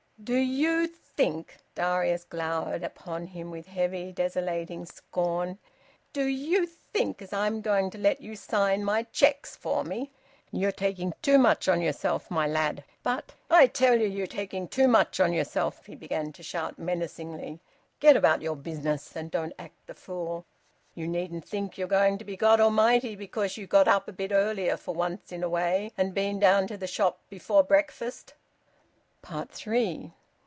"Do you think" Darius glowered upon him with heavy, desolating scorn "do you think as I'm going to let you sign my cheques for me? You're taking too much on yourself, my lad." "But " "I tell ye you're taking too much on yourself!" he began to shout menacingly. "Get about your business and don't act the fool! You needn't think you're going to be God A'mighty because you've got up a bit earlier for once in a way and been down to th' shop before breakfast." THREE.